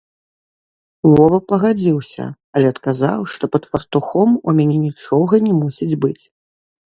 Вова пагадзіўся, але адказаў, што пад фартухом у мяне нічога не мусіць быць.